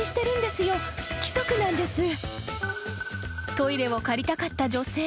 ［トイレを借りたかった女性］